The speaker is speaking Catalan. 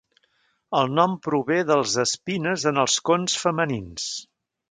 El nom prové dels espines en els cons femenins.